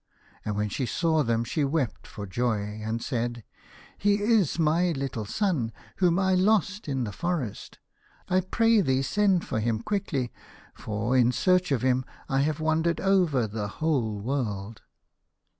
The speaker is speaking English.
And when she saw them she wept for joy, and said, " He is my little son whom I lost in the forest. I pray thee send for him quickly, for in search of him have I wandered over the whole world."